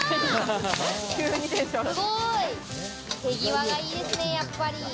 すごい、手際がいいですね、やっぱり。